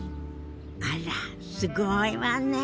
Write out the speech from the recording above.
あらすごいわね。